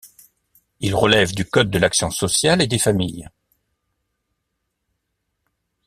Ils relèvent du code de l'action sociale et des familles.